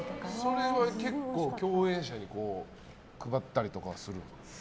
それは結構共演者に配ったりとかするんですか。